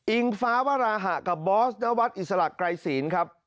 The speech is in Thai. ฟ้าวราหะกับบอสนวัดอิสระไกรศีลครับ